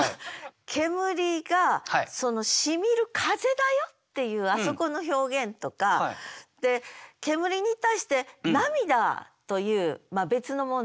煙が「しみる風」だよっていうあそこの表現とかで煙に対して「涙」という別のもんだよね。